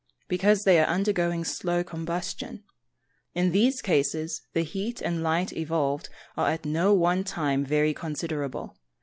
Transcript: _ Because they are undergoing slow combustion. In these cases the heat and light evolved are at no one time very considerable.